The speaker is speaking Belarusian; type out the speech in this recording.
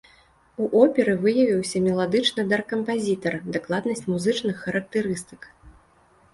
У оперы выявіўся меладычны дар кампазітара, дакладнасць музычных характарыстык.